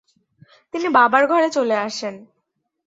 তিনি বাবার ঘরে চলে আসেন।